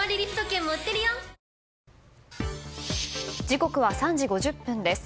時刻は３時５０分です。